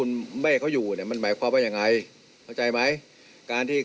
แยกแยะสอนคนแบบนี้สิครับ